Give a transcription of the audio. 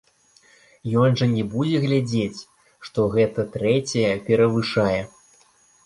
Ён жа не будзе глядзець, што гэта трэцяя перавышае.